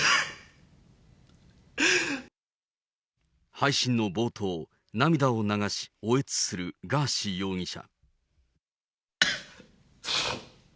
配信の冒頭、涙を流し、おえつするガーシー容疑者。